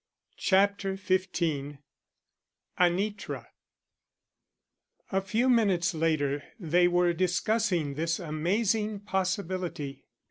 CHAPTER XV ANITRA A few minutes later they were discussing this amazing possibility.